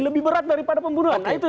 lebih berat daripada pembunuhan